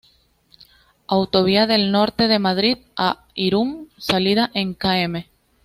Autovía del Norte de Madrid a Irún, salida en Km.